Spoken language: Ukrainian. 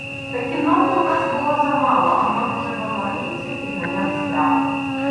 Та кінноти у нас було замало, а ноги червоноармійців підганяв страх.